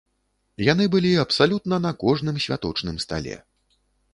Яны былі абсалютна на кожным святочным стале!